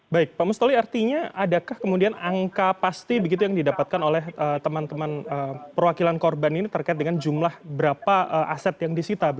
baik pak mustoli artinya adakah kemudian angka pasti begitu yang didapatkan oleh teman teman perwakilan korban ini terkait dengan jumlah berapa aset yang disita